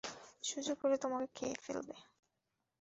সুযোগ পেলে তোমাকে খেয়ে ফেলবে!